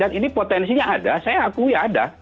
dan ini potensinya ada saya akui ada